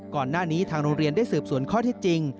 ก่อนหน้านี้ทางโรงเรียนได้สืบสวนข้อที่จริง